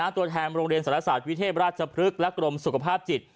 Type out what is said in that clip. ตัวแทนโรงเรียนสารศาสตร์วิเทพราชพฤกษ์และกรมสุขภาพจิต